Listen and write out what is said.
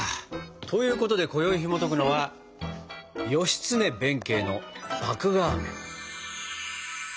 ということでこよいひもとくのは「義経弁慶の麦芽あめ」。